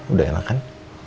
udah enak kan